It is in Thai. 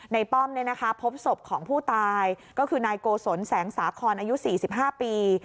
ป้อมพบศพของผู้ตายก็คือนายโกศลแสงสาคอนอายุ๔๕ปี